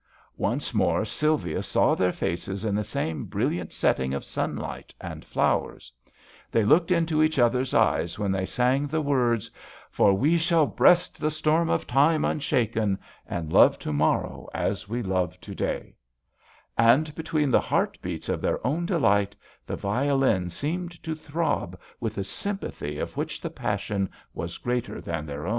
Once more Sylvia saw their faces in the same brilliant setting of sunlight and flowers ; they looked into each other's eyes when they sang the words :For we shall breast the storm of time unshaken, And love to morrow as we love to day,*' and between the heart beats of their own delight, the violin seemed to throb with a sympathy of which the passion was greater than their own.